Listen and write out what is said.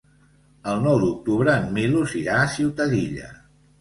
El nou d'octubre en Milos irà a Ciutadilla.